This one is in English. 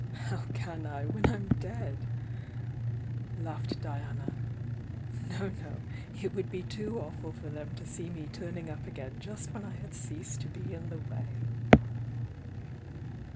"How can I, win I'm dead!" laughed Diana. "No, no ? It wou be too awful for them to see me turning up again just when I had ceased to be in the way!"